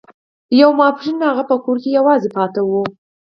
يو ماسپښين هغه په کور کې يوازې پاتې شو.